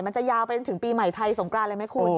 มันจะยาวไปจนถึงปีใหม่ไทยสงกรานเลยไหมคุณ